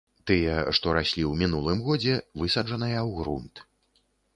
Тыя, што раслі ў мінулым годзе, высаджаныя ў грунт.